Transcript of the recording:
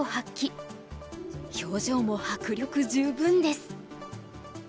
表情も迫力十分です。